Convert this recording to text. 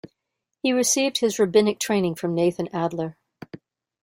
He received his rabbinic training from Nathan Adler.